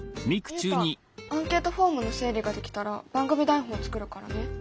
ユウタアンケートフォームの整理ができたら番組台本作るからね。